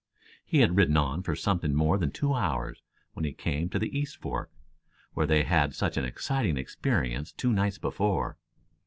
He had ridden on for something more than two hours, when he came to the East Fork, where they had had such an exciting experience two nights before.